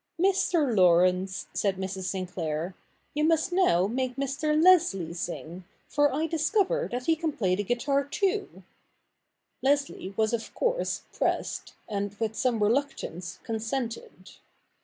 iv] THE NEW REPUBLIC 67 ' Mr. Laurence,' said ]Mrs. Sinclair, ' you must now make Mr. Leslie sing, for I discover that he can play the guitar too.' Leslie was of course pressed, and with some reluctance consented.